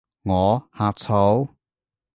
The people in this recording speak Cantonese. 我？呷醋？